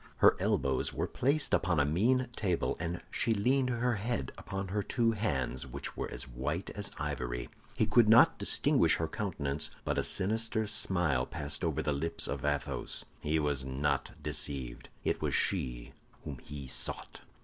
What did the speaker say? Her elbows were placed upon a mean table, and she leaned her head upon her two hands, which were white as ivory. He could not distinguish her countenance, but a sinister smile passed over the lips of Athos. He was not deceived; it was she whom he sought.